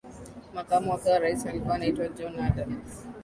makamu wake wa Rais alikuwa anaitwa John Adams